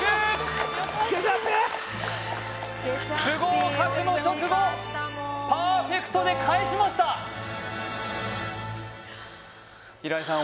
よかった不合格の直後パーフェクトで返しました平井さん